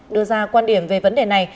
đưa ra quan điểm về vấn đề này